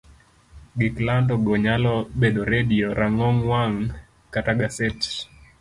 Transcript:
gik lando go nyalo bedo redio, rang'ong wang', kata gaset.